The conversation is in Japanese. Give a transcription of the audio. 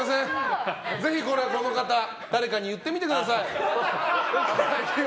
ぜひ、この方誰かに言ってみてください。